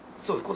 そう。